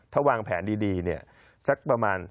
ถ้าวางแผนดีเนี่ยสักประมาณ